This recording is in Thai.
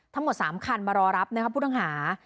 ทั้งหมด๓คันมารอรับนะครับผู้ต้องหา